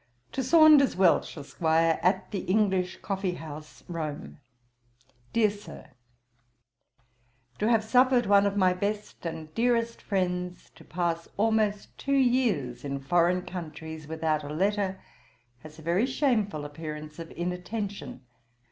'TO SAUNDERS WELCH, ESQ., AT THE ENGLISH COFFEE HOUSE, ROME. 'DEAR SIR, 'To have suffered one of my best and dearest friends to pass almost two years in foreign countries without a letter, has a very shameful appearance of inattention.